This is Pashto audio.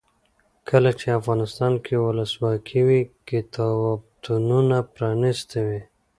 کله چې افغانستان کې ولسواکي وي کتابتونونه پرانیستي وي.